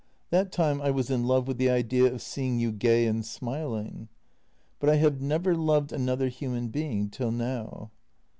That time I was in love with the idea of seeing you gay and smiling. " But I have never loved another human being till now."